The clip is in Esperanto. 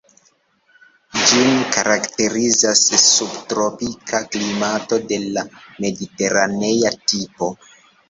Ĝin karakterizas subtropika klimato de la mediteranea tipo.